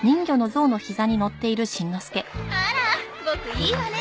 あらボクいいわね。